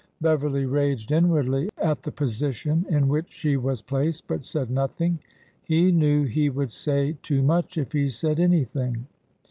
Bev erly raged inwardly at the position in which she was placed, but said nothing. He knew he would say too much if he said anything.